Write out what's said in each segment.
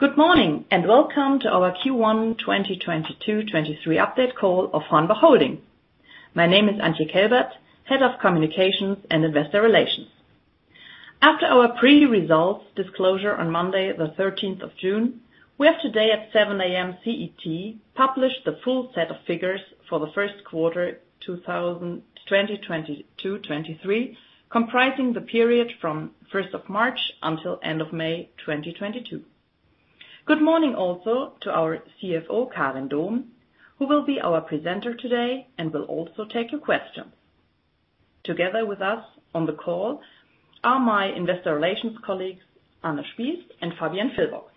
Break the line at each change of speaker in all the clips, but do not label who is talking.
Good morning, and welcome to our Q1 2022-23 update call of HORNBACH Holding. My name is Antje Kelbert, head of communications and investor relations. After our pre-results disclosure on Monday the thirteenth of June, we have today at 7 A.M. CET published the full set of figures for the first quarter 2022-23, comprising the period from first of March until end of May 2022. Good morning also to our CFO, Karin Dohm, who will be our presenter today and will also take your questions. Together with us on the call are my investor relations colleagues, Anne Spies and Fabienne Villwock.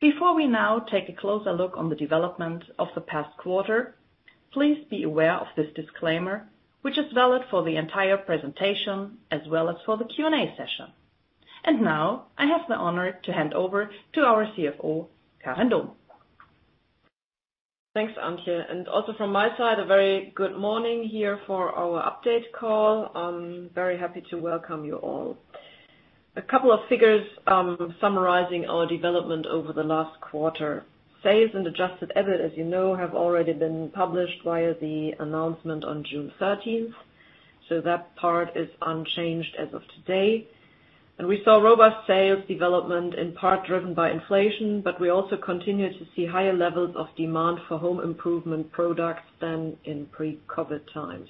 Before we now take a closer look on the development of the past quarter, please be aware of this disclaimer, which is valid for the entire presentation as well as for the Q&A session. Now I have the honor to hand over to our CFO, Karin Dohm.
Thanks, Antje. Also from my side, a very good morning here for our update call. I'm very happy to welcome you all. A couple of figures summarizing our development over the last quarter. Sales and adjusted EBIT, as you know, have already been published via the announcement on June thirteenth, so that part is unchanged as of today. We saw robust sales development in part driven by inflation, but we also continue to see higher levels of demand for home improvement products than in pre-COVID times.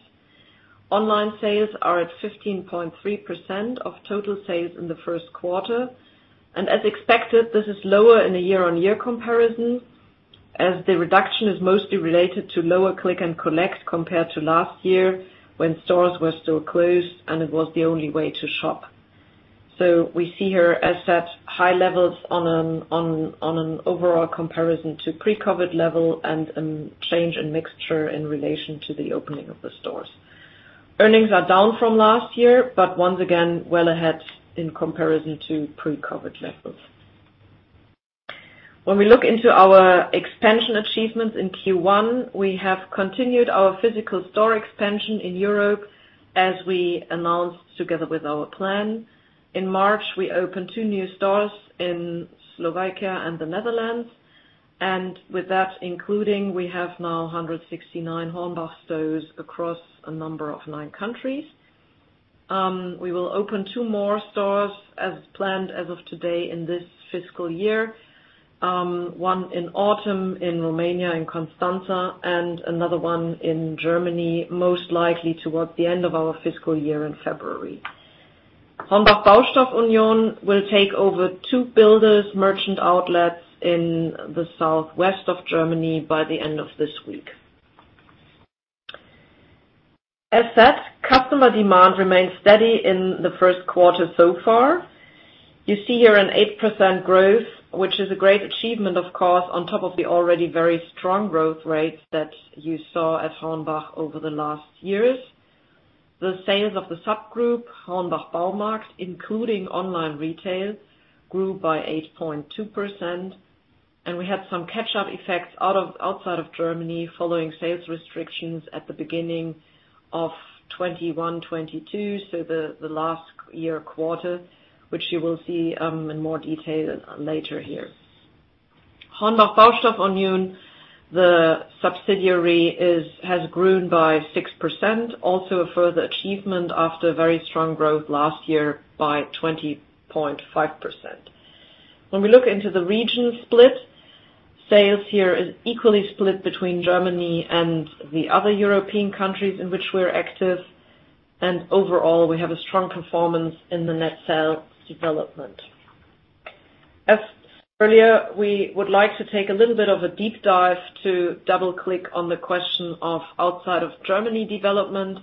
Online sales are at 15.3% of total sales in the first quarter, and as expected, this is lower in a year-on-year comparison as the reduction is mostly related to lower click-and-collect compared to last year when stores were still closed and it was the only way to shop. We see here, as such, high levels on an overall comparison to pre-COVID level and change in mixture in relation to the opening of the stores. Earnings are down from last year, but once again, well ahead in comparison to pre-COVID levels. When we look into our expansion achievements in Q1, we have continued our physical store expansion in Europe as we announced together with our plan. In March, we opened two new stores in Slovakia and the Netherlands. With that including, we have now 169 HORNBACH stores across a number of nine countries. We will open two more stores as planned as of today in this fiscal year, one in autumn in Romania in Constanța, and another one in Germany, most likely towards the end of our fiscal year in February. HORNBACH Baustoff Union will take over two builders' merchant outlets in the southwest of Germany by the end of this week. As said, customer demand remained steady in the first quarter so far. You see here an 8% growth, which is a great achievement, of course, on top of the already very strong growth rates that you saw at HORNBACH over the last years. The sales of the subgroup, HORNBACH Baumarkt, including online retail, grew by 8.2%, and we had some catch-up effects outside of Germany following sales restrictions at the beginning of 2021, 2022, so the last year quarter, which you will see in more detail later here. HORNBACH Baustoff Union, the subsidiary, has grown by 6%, also a further achievement after very strong growth last year by 20.5%. When we look into the region split, sales here is equally split between Germany and the other European countries in which we're active. Overall, we have a strong conformance in the net sales development. As earlier, we would like to take a little bit of a deep dive to double-click on the question of outside of Germany development.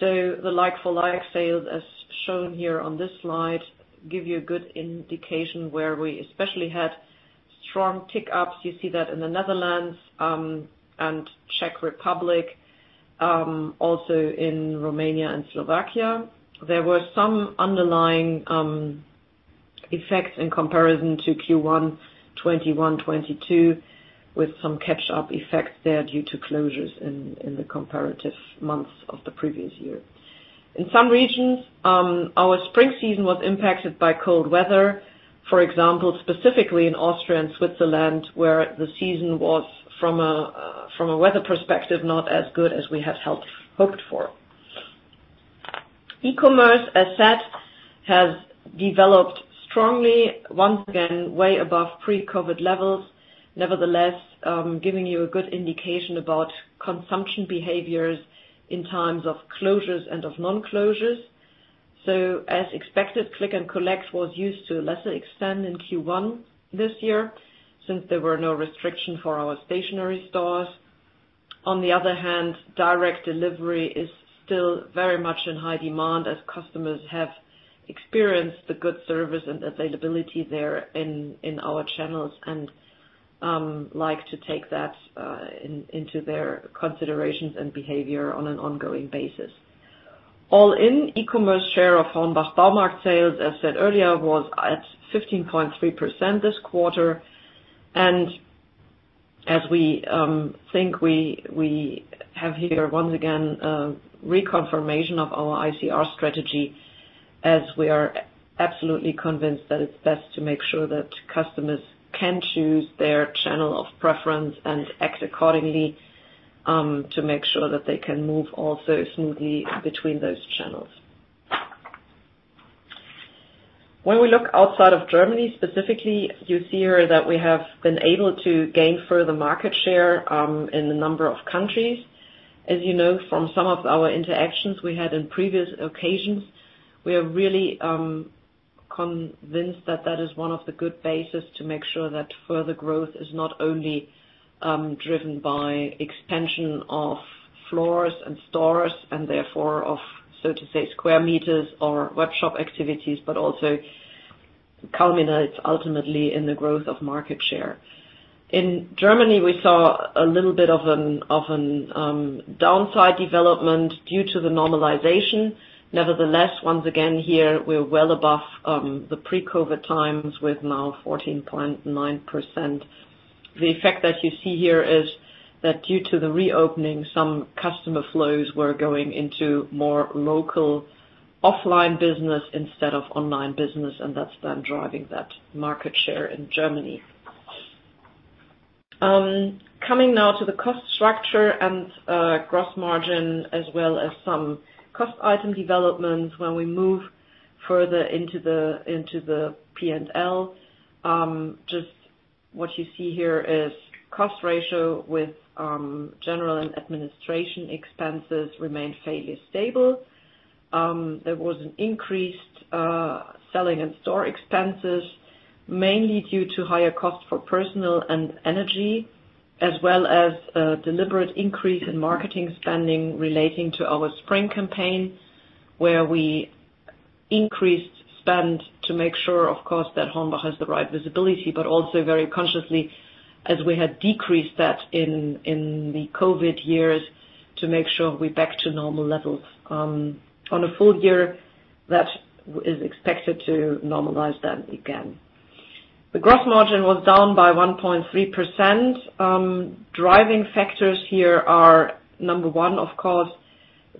The like-for-like sales, as shown here on this slide, give you a good indication where we especially had strong upticks. You see that in the Netherlands and Czech Republic, also in Romania and Slovakia. There were some underlying effects in comparison to Q1 2021, 2022 with some catch-up effects there due to closures in the comparative months of the previous year. In some regions, our spring season was impacted by cold weather. For example, specifically in Austria and Switzerland, where the season was from a weather perspective, not as good as we had hoped for. E-commerce, as said, has developed strongly once again, way above pre-COVID levels. Nevertheless, giving you a good indication about consumption behaviors in times of closures and of non-closures. As expected, click-and-collect was used to a lesser extent in Q1 this year since there were no restriction for our stationary stores. On the other hand, direct delivery is still very much in high demand as customers have experienced the good service and availability there in our channels and like to take that into their considerations and behavior on an ongoing basis. All in, e-commerce share of HORNBACH Baumarkt sales, as said earlier, was at 15.3% this quarter. As we think we have here, once again, a reconfirmation of our ICR strategy as we are absolutely convinced that it's best to make sure that customers can choose their channel of preference and act accordingly, to make sure that they can move also smoothly between those channels. When we look outside of Germany, specifically, you see here that we have been able to gain further market share in a number of countries. As you know, from some of our interactions we had in previous occasions, we are really convinced that that is one of the good bases to make sure that further growth is not only driven by expansion of floors and stores, and therefore of, so to say, square meters or webshop activities, but also culminates ultimately in the growth of market share. In Germany, we saw a little bit of an downside development due to the normalization. Nevertheless, once again, here, we're well above the pre-COVID times with now 14.9%. The effect that you see here is that due to the reopening, some customer flows were going into more local offline business instead of online business, and that's then driving that market share in Germany. Coming now to the cost structure and gross margin, as well as some cost item developments when we move further into the P&L. Just what you see here is cost ratio with general and administration expenses remained fairly stable. There was an increased selling and store expenses, mainly due to higher cost for personnel and energy, as well as a deliberate increase in marketing spending relating to our spring campaign, where we increased spend to make sure, of course, that HORNBACH has the right visibility, but also very consciously, as we had decreased that in the COVID years, to make sure we're back to normal levels. On a full year, that is expected to normalize then again. The gross margin was down by 1.3%. Driving factors here are, number one, of course,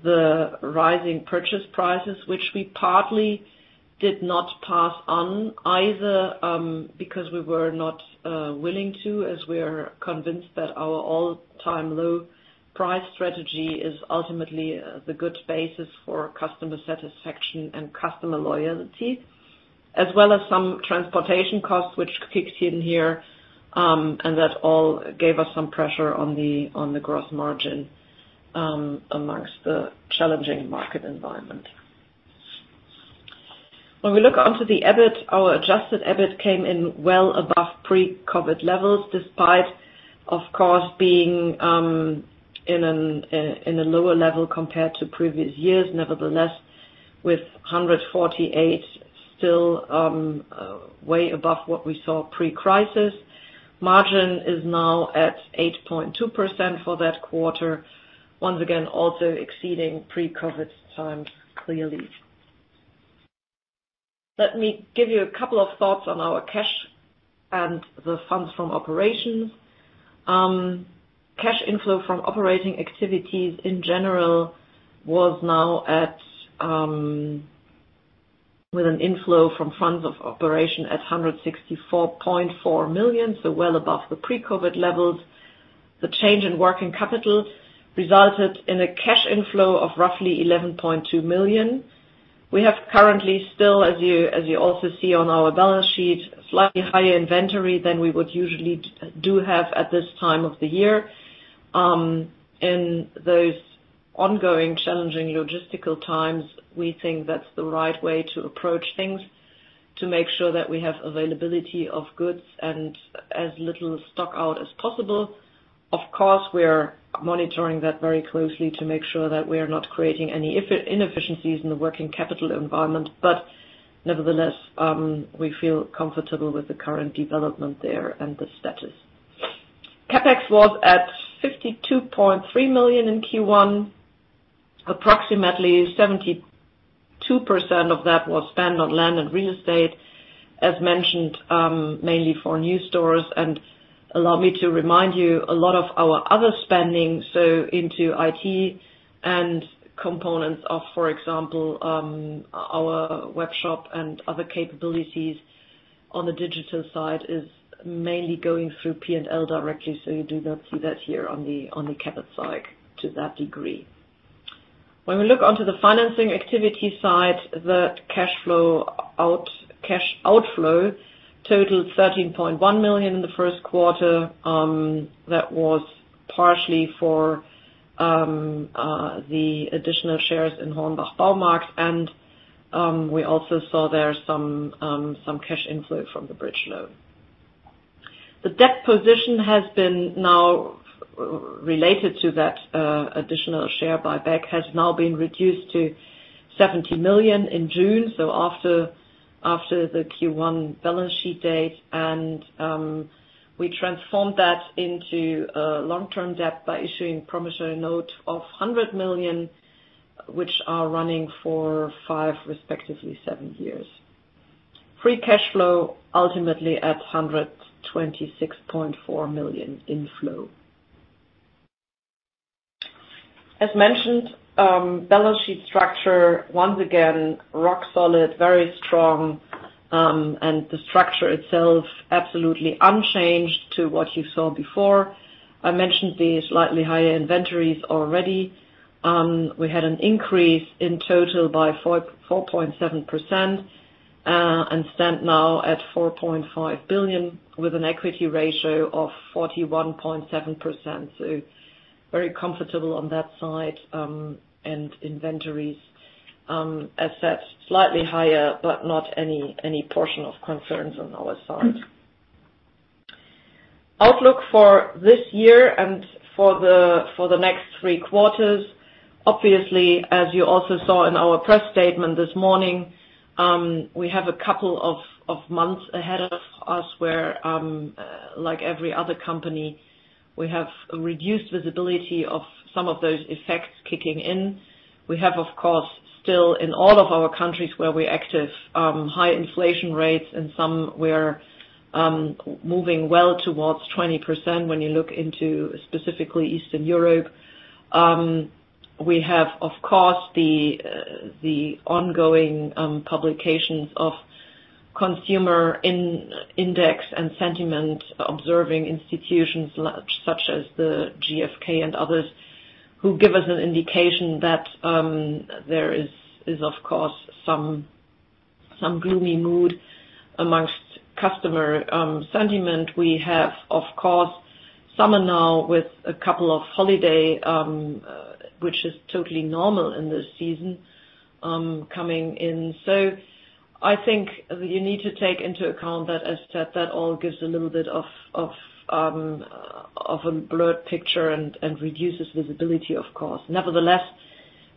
the rising purchase prices, which we partly did not pass on either, because we were not willing to, as we are convinced that our all-time low price strategy is ultimately the good basis for customer satisfaction and customer loyalty. As well as some transportation costs, which kicks in here, and that all gave us some pressure on the gross margin in the challenging market environment. When we look at the EBIT, our adjusted EBIT came in well above pre-COVID levels, despite, of course, being in a lower level compared to previous years. Nevertheless, with 148 still way above what we saw pre-crisis. Margin is now at 8.2% for that quarter. Once again, also exceeding pre-COVID times, clearly. Let me give you a couple of thoughts on our cash and the funds from operations. Cash inflow from operating activities in general, with an inflow from funds from operations at 164.4 million, so well above the pre-COVID levels. The change in working capital resulted in a cash inflow of roughly 11.2 million. We have currently still, as you also see on our balance sheet, slightly higher inventory than we would usually do have at this time of the year. In those ongoing challenging logistical times, we think that's the right way to approach things to make sure that we have availability of goods and as little stock out as possible. Of course, we are monitoring that very closely to make sure that we are not creating any inefficiencies in the working capital environment. Nevertheless, we feel comfortable with the current development there and the status. CapEx was at 52.3 million in Q1. Approximately 72% of that was spent on land and real estate, as mentioned, mainly for new stores. Allow me to remind you, a lot of our other spending, so into IT and components of, for example, our webshop and other capabilities on the digital side is mainly going through P&L directly, so you do not see that here on the CapEx side to that degree. When we look onto the financing activity side, the cash outflow totaled 13.1 million in the first quarter. That was partially for the additional shares in HORNBACH Baumarkt. We also saw there some cash inflow from the bridge loan. The debt position has been now, related to that, additional share buyback, has now been reduced to 70 million in June, so after the Q1 balance sheet date. We transformed that into a long-term debt by issuing promissory note of 100 million, which are running for five, respectively, seven years. Free cash flow ultimately at 126.4 million inflow. As mentioned, balance sheet structure, once again, rock solid, very strong, and the structure itself absolutely unchanged to what you saw before. I mentioned the slightly higher inventories already. We had an increase in total by 4.7%, and stand now at 4.5 billion with an equity ratio of 41.7%. Very comfortable on that side, and inventories, assets slightly higher, but not any portion of concerns on our side. Outlook for this year and for the next three quarters. Obviously, as you also saw in our press statement this morning, we have a couple of months ahead of us where, like every other company, we have reduced visibility of some of those effects kicking in. We have, of course, still in all of our countries where we're active, high inflation rates and some where we're moving well towards 20% when you look into specifically Eastern Europe. We have, of course, the ongoing publications of consumer confidence index and sentiment-observing institutions such as the GfK and others who give us an indication that there is of course some gloomy mood among customer sentiment. We have, of course, summer now with a couple of holidays which is totally normal in this season, coming in. I think you need to take into account that as said, that all gives a little bit of a blurred picture and reduces visibility, of course. Nevertheless,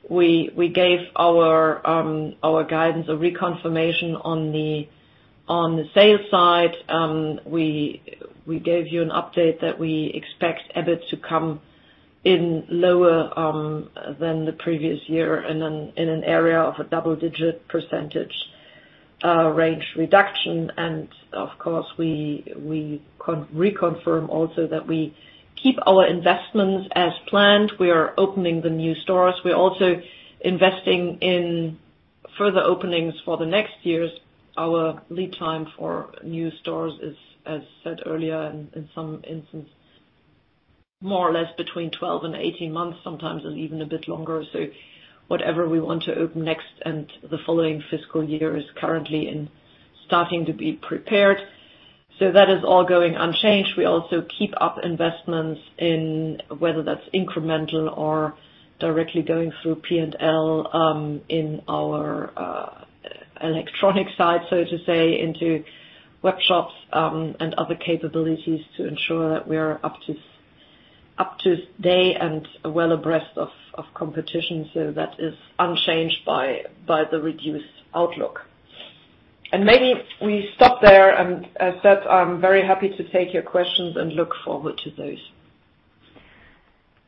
we gave our guidance a reconfirmation on the sales side. We gave you an update that we expect EBIT to come in lower than the previous year in an area of a double-digit percentage range reduction. Of course, we reconfirm also that we keep our investments as planned. We are opening the new stores. We're also investing in further openings for the next years. Our lead time for new stores is, as said earlier, in some instance, more or less between 12 and 18 months, sometimes even a bit longer. Whatever we want to open next and the following fiscal year is currently starting to be prepared. That is all going unchanged. We also keep up investments in whether that's incremental or directly going through P&L, in our electronic side, so to say, into web shops, and other capabilities to ensure that we are up to date and well abreast of competition. That is unchanged by the reduced outlook. Maybe we stop there. As said, I'm very happy to take your questions and look forward to those.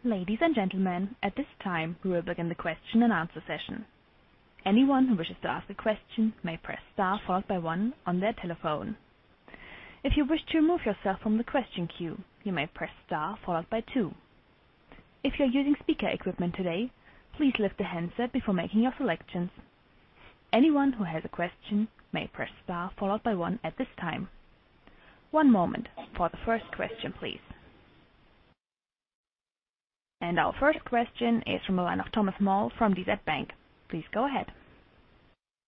Ladies and gentlemen, at this time, we will begin the question and answer session. Anyone who wishes to ask a question may press star followed by one on their telephone. If you wish to remove yourself from the question queue, you may press star followed by two. If you're using speaker equipment today, please lift the handset before making your selections. Anyone who has a question may press star followed by one at this time. One moment for the first question, please. Our first question is from the line of Thomas Maul from DZ Bank. Please go ahead.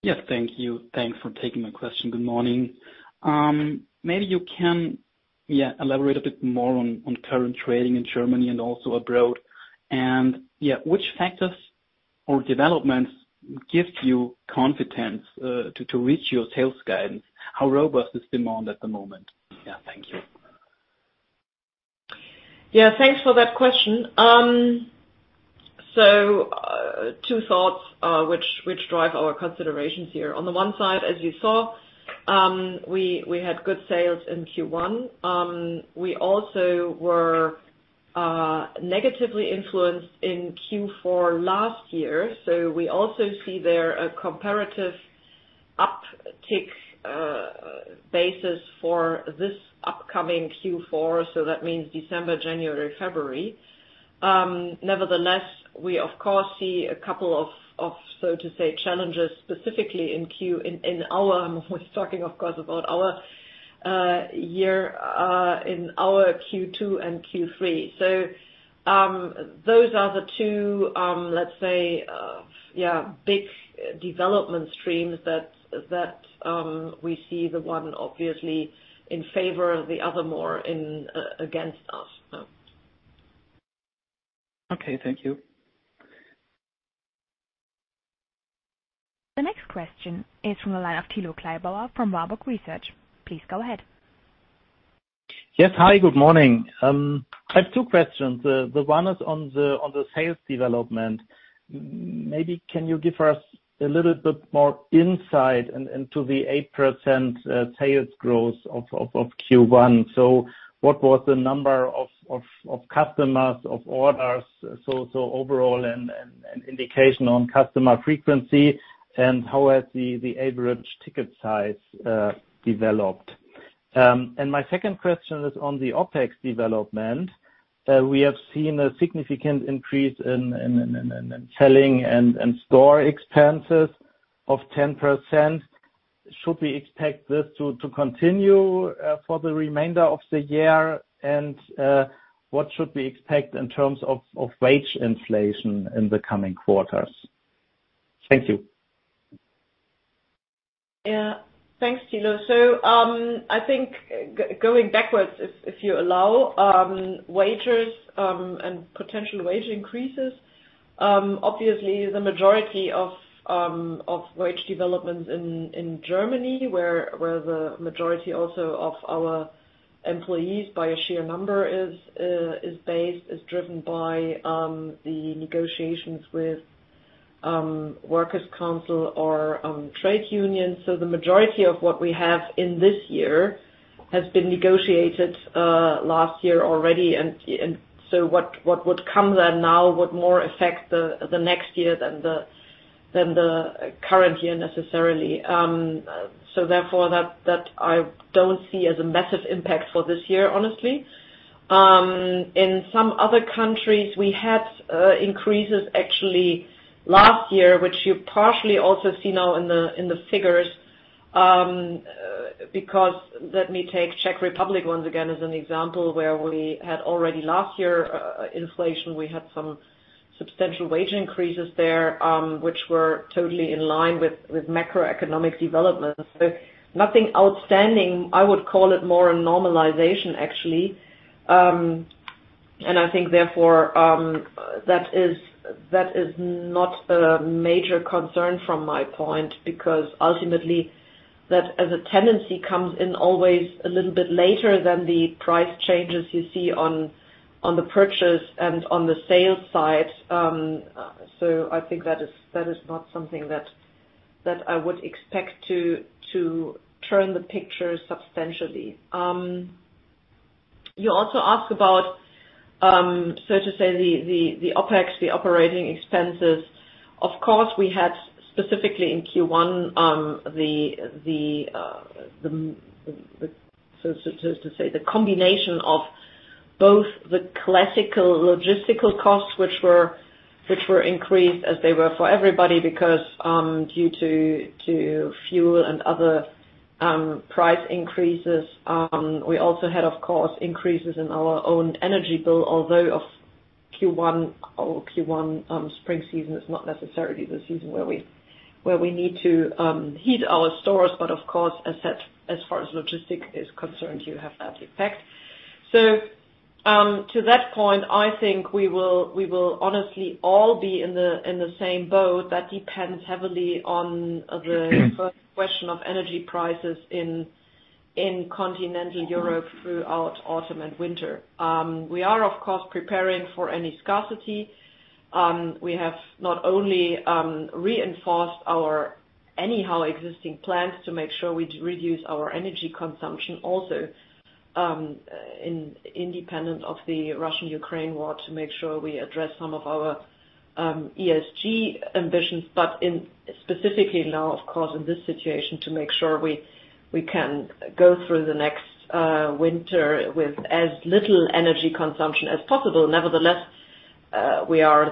Yes, thank you. Thanks for taking my question. Good morning. Maybe you can, yeah, elaborate a bit more on current trading in Germany and also abroad. Yeah, which factors or developments give you confidence to reach your sales guidance? How robust is demand at the moment? Thank you.
Yeah, thanks for that question. Two thoughts which drive our considerations here. On the one side, as you saw, we had good sales in Q1. We also were negatively influenced in Q4 last year. We also see there a comparative uptick basis for this upcoming Q4. That means December, January, February. Nevertheless, we of course see a couple of, so to say, challenges, specifically in our Q2 and Q3. We're talking of course about our year in our Q2 and Q3. Those are the two, let's say, big development streams that we see, the one obviously in favor of, the other more against us.
Okay, thank you.
The next question is from the line of Thilo Kleibauer from Warburg Research. Please go ahead.
Yes. Hi, good morning. I have two questions. The one is on the sales development. Maybe can you give us a little bit more insight into the 8% sales growth of Q1? So what was the number of customers or orders? So overall an indication on customer frequency, and how has the average ticket size developed? My second question is on the OpEx development. We have seen a significant increase in selling and store expenses of 10%. Should we expect this to continue for the remainder of the year? What should we expect in terms of wage inflation in the coming quarters? Thank you.
Yeah. Thanks, Thilo. I think going backwards if you allow, wages and potential wage increases, obviously the majority of wage development in Germany where the majority also of our employees by a sheer number is based, is driven by the negotiations with works council or trade unions. The majority of what we have in this year has been negotiated last year already. What would come then now would more affect the next year than the current year necessarily. Therefore that I don't see as a massive impact for this year, honestly. In some other countries we had increases actually last year, which you partially also see now in the figures, because let me take Czech Republic once again as an example where we had already last year inflation. We had some substantial wage increases there, which were totally in line with macroeconomic developments. Nothing outstanding. I would call it more a normalization actually. I think therefore that is not a major concern from my point because ultimately that as a tendency comes in always a little bit later than the price changes you see on the purchase and on the sales side. I think that is not something that I would expect to turn the picture substantially. You also ask about so to say the OpEx, the operating expenses. Of course, we had specifically in Q1 the combination of both the classical logistical costs, which were increased as they were for everybody because due to fuel and other price increases. We also had of course increases in our own energy bill although in Q1 spring season is not necessarily the season where we need to heat our stores. Of course, as said, as far as logistics is concerned, you have that effect. To that point, I think we will honestly all be in the same boat. That depends heavily on the first question of energy prices in continental Europe throughout autumn and winter. We are of course preparing for any scarcity. We have not only reinforced our already existing plans to make sure we reduce our energy consumption also independently of the Russia-Ukraine war to make sure we address some of our ESG ambitions. Specifically now of course in this situation to make sure we can go through the next winter with as little energy consumption as possible. Nevertheless, we are,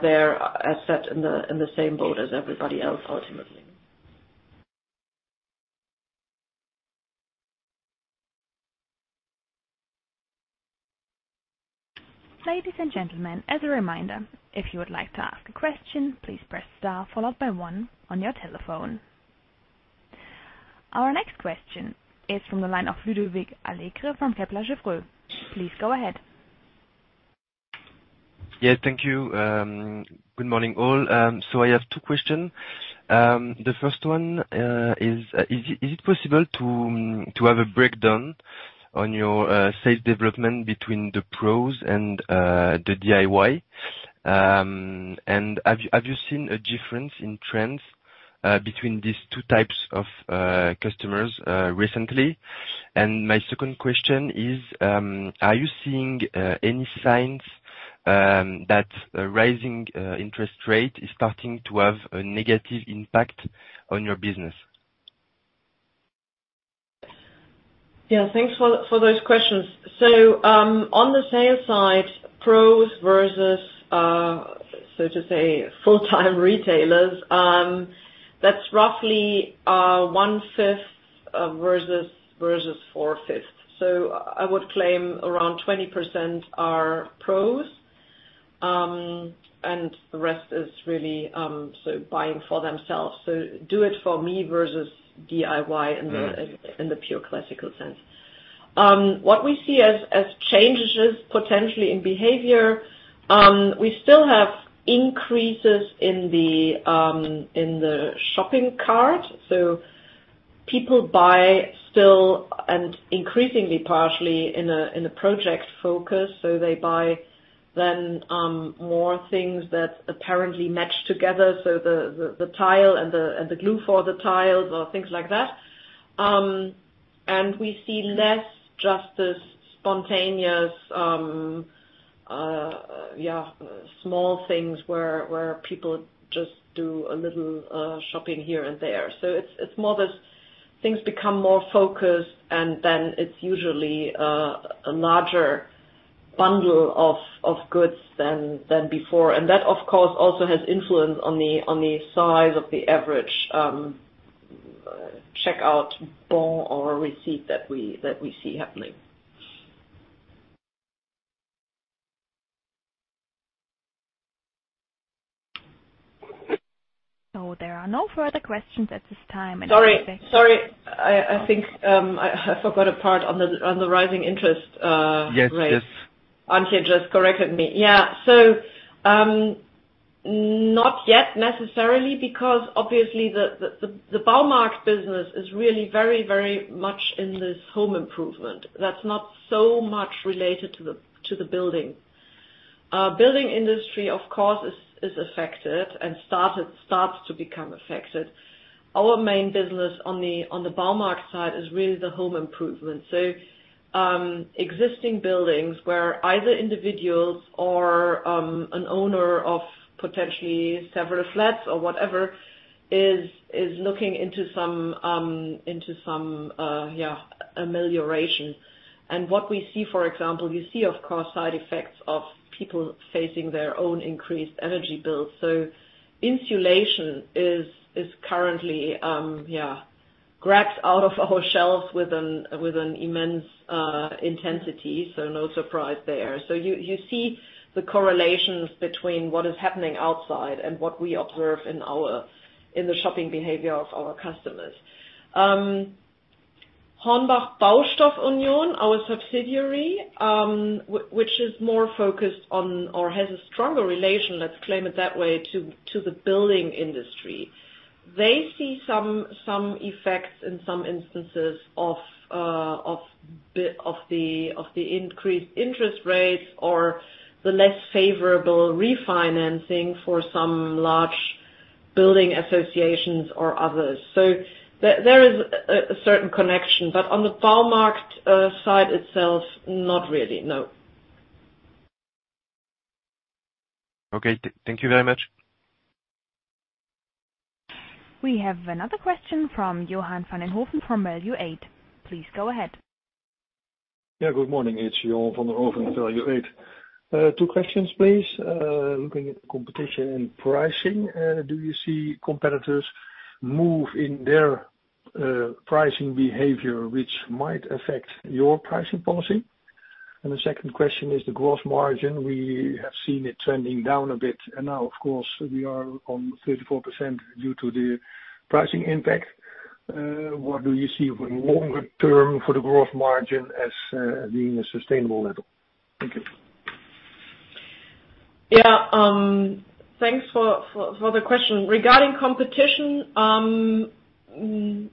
as said, in the same boat as everybody else ultimately.
Ladies and gentlemen, as a reminder, if you would like to ask a question, please press star followed by one on your telephone. Our next question is from the line of Ludovic Allègre from Kepler Cheuvreux. Please go ahead.
Yes, thank you. Good morning all. I have two question. The first one is it possible to have a breakdown on your sales development between the pros and the DIY? Have you seen a difference in trends between these two types of customers recently? My second question is, are you seeing any signs that a rising interest rate is starting to have a negative impact on your business?
Yeah. Thanks for those questions. On the sales side, pros versus so to say full-time retailers, that's roughly one-fifth versus four-fifths. I would claim around 20% are pros, and the rest is really so buying for themselves. Do it for me versus DIY in the
Mm-hmm.
In the pure classical sense. What we see as changes potentially in behavior, we still have increases in the shopping cart. People buy still and increasingly partially in a project focus. They buy then more things that apparently match together. The tile and the glue for the tiles or things like that. We see less just this spontaneous small things where people just do a little shopping here and there. It's more that things become more focused and then it's usually a larger bundle of goods than before. That, of course, also has influence on the size of the average checkout bill or receipt that we see happening.
There are no further questions at this time.
Sorry. I think I forgot a part on the rising interest.
Yes, yes.
...rate. Antje just corrected me. Yeah. Not yet necessarily because obviously the Baumarkt business is really very much in this home improvement. That's not so much related to the building. Building industry, of course, is affected and starts to become affected. Our main business on the Baumarkt side is really the home improvement. Existing buildings where either individuals or an owner of potentially several flats or whatever is looking into some amelioration. What we see, for example, you see, of course, side effects of people facing their own increased energy bills. Insulation is currently grabbed out of our shelves with an immense intensity, so no surprise there. You see the correlations between what is happening outside and what we observe in the shopping behavior of our customers. HORNBACH Baustoff Union, our subsidiary, which is more focused on or has a stronger relation, let's claim it that way, to the building industry. They see some effects in some instances of the increased interest rates or the less favorable refinancing for some large building associations or others. There is a certain connection. On the Baumarkt side itself, not really, no.
Okay. Thank you very much.
We have another question from Johan Van Den Hooven from Value8. Please go ahead.
Yeah. Good morning. It's Johan van den Hooven from Value8. Two questions, please. Looking at competition and pricing, do you see competitors move in their pricing behavior which might affect your pricing policy? The second question is the gross margin. We have seen it trending down a bit and now of course we are on 34% due to the pricing impact. What do you see for longer term for the gross margin as being a sustainable level? Thank you.
Yeah. Thanks for the question. Regarding competition, I mean,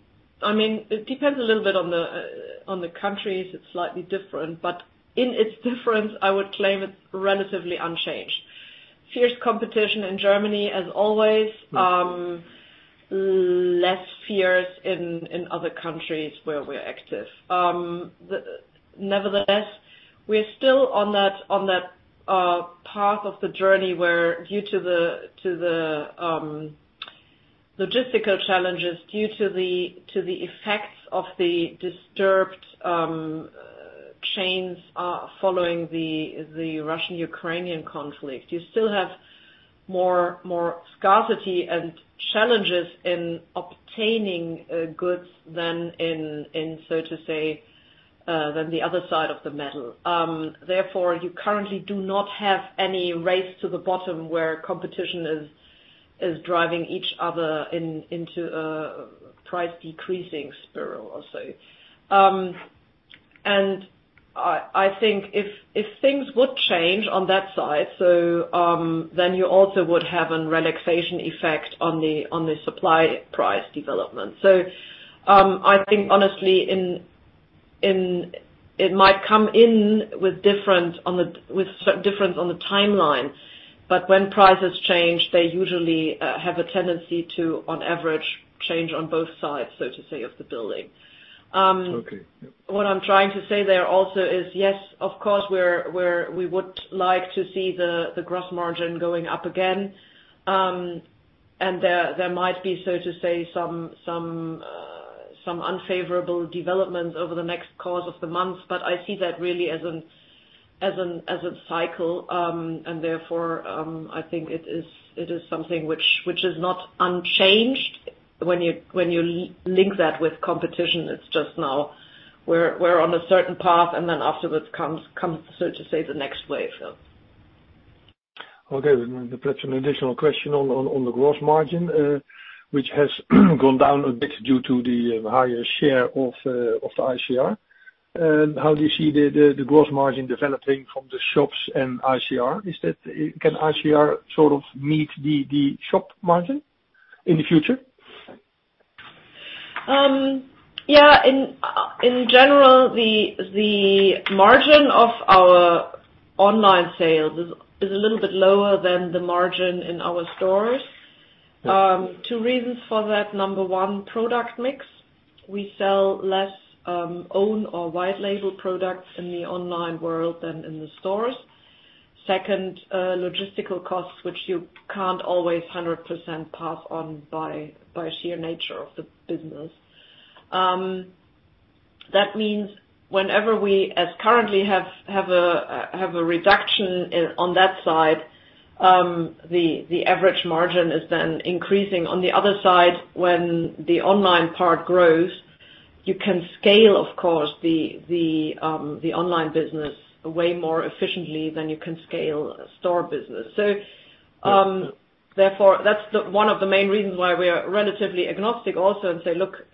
it depends a little bit on the countries. It's slightly different, but in its difference, I would claim it relatively unchanged. Fierce competition in Germany as always, less fierce in other countries where we're active. Nevertheless, we're still on that path of the journey where due to the logistical challenges, due to the effects of the disturbed chains following the Russian-Ukrainian conflict, you still have more scarcity and challenges in obtaining goods than in so to say than the other side of the medal. Therefore, you currently do not have any race to the bottom where competition is driving each other into a price decreasing spiral. I think if things would change on that side, then you also would have a relaxation effect on the supply price development. I think honestly it might come in with difference in the timeline, but when prices change, they usually have a tendency to, on average, change on both sides, so to say, of the building.
Okay. Yeah.
What I'm trying to say there also is, yes, of course we would like to see the gross margin going up again. There might be, so to say, some unfavorable development over the next course of the months. I see that really as a cycle, and therefore, I think it is something which is not unchanged when you link that with competition. It's just now we're on a certain path, and then afterwards comes, so to say, the next wave.
Okay. Perhaps an additional question on the gross margin, which has gone down a bit due to the higher share of ICR. How do you see the gross margin developing from the shops and ICR? Can ICR sort of meet the shop margin in the future?
Yeah. In general, the margin of our online sales is a little bit lower than the margin in our stores. Two reasons for that. Number one, product mix. We sell less own or white label products in the online world than in the stores. Second, logistical costs, which you can't always 100% pass on by sheer nature of the business. That means whenever we currently have a reduction on that side, the average margin is then increasing. On the other side, when the online part grows, you can scale, of course, the online business way more efficiently than you can scale a store business. Therefore, that's one of the main reasons why we are relatively agnostic also and say, "Look,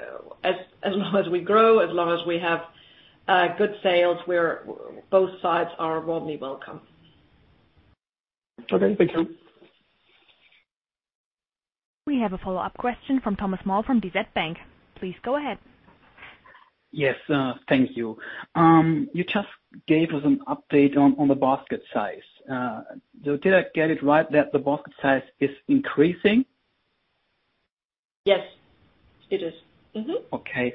as long as we grow, as long as we have good sales, we're both sides are warmly welcome.
Okay. Thank you.
We have a follow-up question from Thomas Maul from DZ Bank. Please go ahead.
Yes, thank you. You just gave us an update on the basket size. Did I get it right that the basket size is increasing?
Yes, it is. Mm-hmm.
Okay.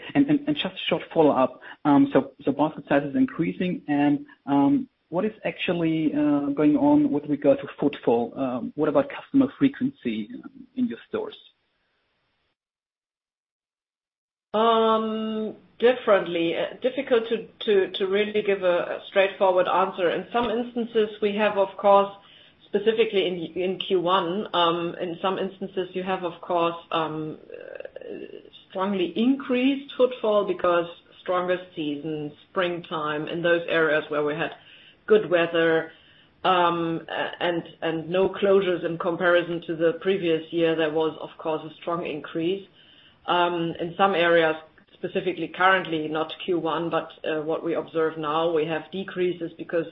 Just a short follow-up. Basket size is increasing and what is actually going on with regard to footfall? What about customer frequency in your stores?
Differently. Difficult to really give a straightforward answer. In some instances we have, of course, specifically in Q1, in some instances you have, of course, strongly increased footfall because strongest season, springtime, in those areas where we had good weather, and no closures in comparison to the previous year, there was of course a strong increase. In some areas specifically, currently not Q1, but what we observe now, we have decreases because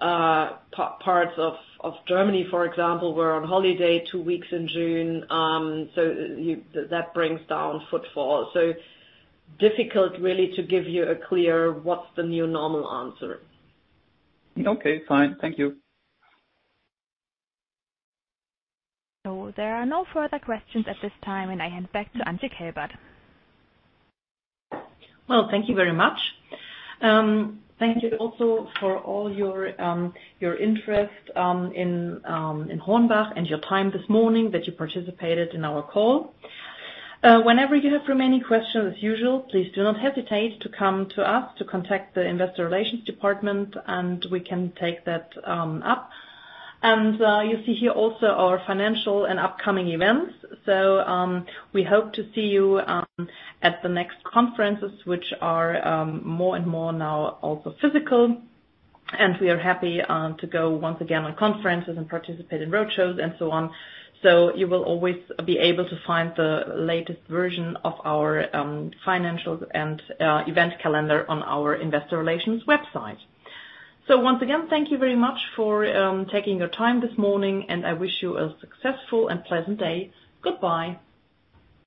parts of Germany, for example, were on holiday two weeks in June. That brings down footfall. Difficult really to give you a clear what's the new normal answer.
Okay, fine. Thank you.
There are no further questions at this time, and I hand back to Antje Kelbert.
Well, thank you very much. Thank you also for all your interest in HORNBACH and your time this morning that you participated in our call. Whenever you have remaining questions as usual, please do not hesitate to come to us to contact the investor relations department, and we can take that up. You see here also our financial and upcoming events. We hope to see you at the next conferences which are more and more now also physical, and we are happy to go once again on conferences and participate in roadshows and so on. You will always be able to find the latest version of our financials and event calendar on our investor relations website. Once again, thank you very much for taking your time this morning, and I wish you a successful and pleasant day. Goodbye.